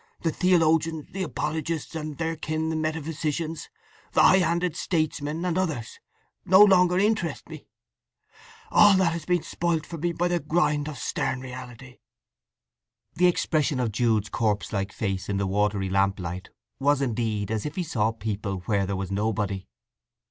The theologians, the apologists, and their kin the metaphysicians, the high handed statesmen, and others, no longer interest me. All that has been spoilt for me by the grind of stern reality!" The expression of Jude's corpselike face in the watery lamplight was indeed as if he saw people where there was nobody.